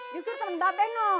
justru temen babe no